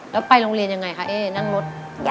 แล้วไปโรงเรียนยังไงคะเอ๊นั่งรถ